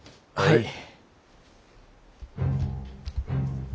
はい。